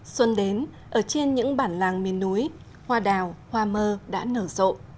xuân đến ở trên những bản làng miền núi hoa đào hoa mơ đã nở rộ